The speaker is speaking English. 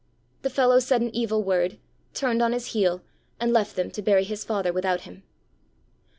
The fellow said an evil word, turned on his heel, and left them to bury his father without him.